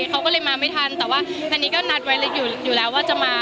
เขาก็เลยมาไม่ทันแต่ว่าทางนี้ก็นัดไว้อยู่แล้วว่าจะมา